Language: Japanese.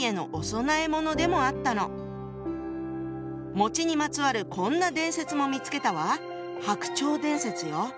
更ににまつわるこんな伝説も見つけたわ。